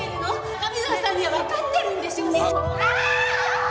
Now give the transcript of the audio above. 高見沢さんにはわかってるんでしょ？あーっ！